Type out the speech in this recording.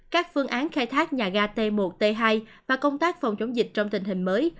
các phương án khai thác nhà ga t một t hai và công tác phòng chống dịch trong tình hình mới